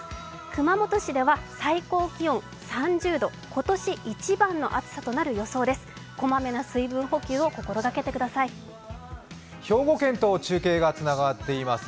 熊本市では最高気温３０度、今年一番の暑さとなる予想です。